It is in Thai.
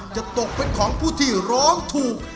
จะตกเป็นของผู้ที่ร้องถูก